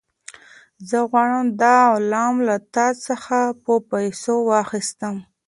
زه غواړم دا غلام له تا څخه په پیسو واخیستم.